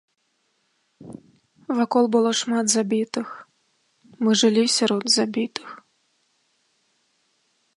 Вакол было шмат забітых, мы жылі сярод забітых.